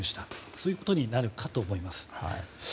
そういうことになるかと思います。